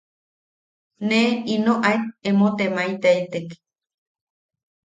Ne ino aet emo temaetaitek.